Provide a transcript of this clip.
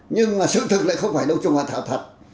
thực thực lại không phải đông trùng hạ thảo thật